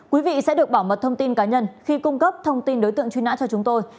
quý vị sẽ được bảo mật thông tin cá nhân khi cung cấp thông tin đối tượng truy nã cho chúng tôi